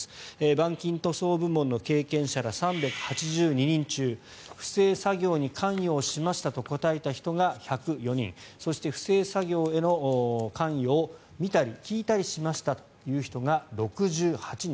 板金塗装部門の経験者ら３８２人中不正作業に関与をしましたと答えた人が１０４人そして不正作業への関与を見たり聞いたりしましたという人が６８人